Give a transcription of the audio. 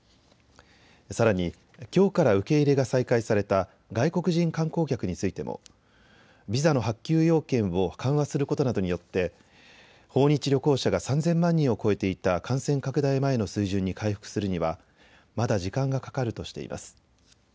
さらにきょうから受け入れが再開された外国人観光客についてもビザの発給要件を緩和することなどによって訪日旅行者が３０００万人を超えていた感染拡大前の水準に回復するにはまだ時間がかかるとしています。